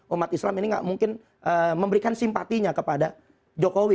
umat islam ini gak mungkin memberikan simpatinya kepada jokowi